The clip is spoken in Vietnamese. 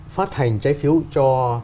phát hành trái phiếu cho